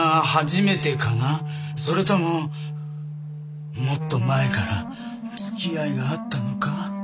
それとももっと前からつきあいがあったのか？